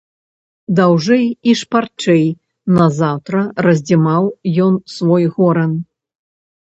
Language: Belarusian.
Даўжэй і шпарчэй назаўтра раздзімаў ён свой горан.